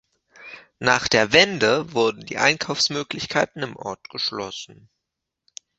Nach der Wende wurden die Einkaufsmöglichkeiten im Ort geschlossen.